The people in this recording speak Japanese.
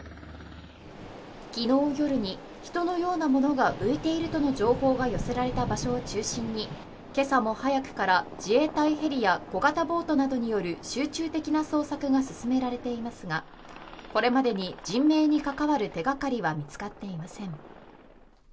昨日夜に人のようなものが浮いているとの情報が寄せられた場所を中心に今朝も早くから自衛隊ヘリや小型ボートなどによる集中的な捜索が進められていますがこれまでに人命に関わる手がかりは見つかっていません。